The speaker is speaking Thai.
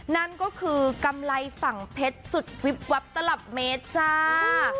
นั่นก็คือกำไรฝั่งเพชรสุดวิบวับตลับเมตรจ้า